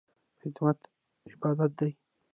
خدمت عبادت دی